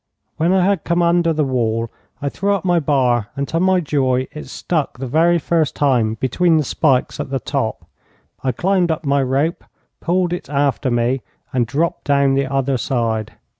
When I had come under the wall I threw up my bar, and to my joy it stuck the very first time between the spikes at the top. I climbed up my rope, pulled it after me, and dropped down on the other side.